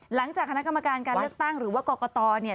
หลังจากคณะกรรมการการเลือกตั้งหรือว่ากรกตเนี่ย